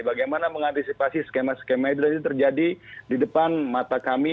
bagaimana mengantisipasi skema skema itu terjadi di depan mata kami